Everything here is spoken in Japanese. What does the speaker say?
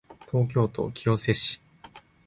東京都清瀬市